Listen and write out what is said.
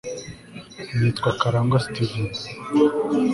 Nitwa karangwa steven